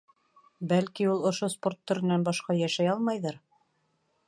— Бәлки, ул ошо спорт төрөнән башҡа йәшәй алмайҙыр?